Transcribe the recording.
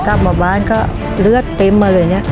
กลับมาบ้านก็เลือดเต็มมาเลยเนี่ย